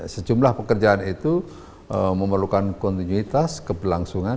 sejumlah pekerjaan itu memerlukan kontinuitas keberlangsungan